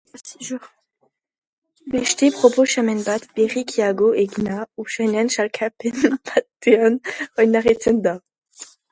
Beste proposamen bat, berrikiago egina, usainen sailkapen batean oinarritzen da.